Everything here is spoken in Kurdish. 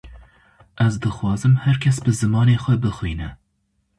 Ez dixwazim her kes bi zimanê xwe bixwîne